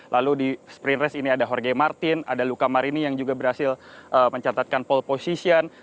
lalu di sprint race ini ada jorge martin ada luka marini yang juga berhasil mencatatkan pole position